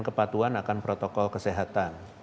peraturan protokol kesehatan